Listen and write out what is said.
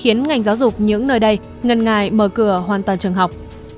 khiến ngành giáo dục những nơi đây ngần ngài mở cửa hoàn toàn trường học